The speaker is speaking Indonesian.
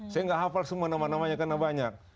saya nggak hafal semua nama namanya karena banyak